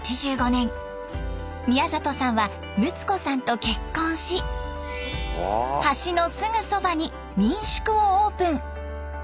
宮里さんはむつ子さんと結婚し橋のすぐそばに民宿をオープン！